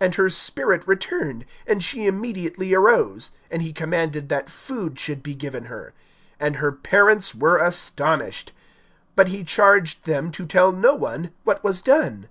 (55)And her spirit returned, and she immediately arose; and he commanded that food should be given her. (56)And her parents were astonished. But he charged them to tell no one what was done.